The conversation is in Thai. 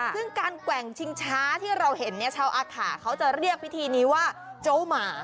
ซึ่งการแกว่งชิงช้าที่เราเห็นเนี่ยชาวอาขาเขาจะเรียกพิธีนี้ว่าโจ๊หมา